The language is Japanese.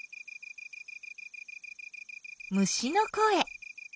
虫の声。